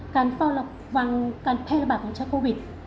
การเฝ้ารับฟังการแพร่ระบาดของเชื้อโควิด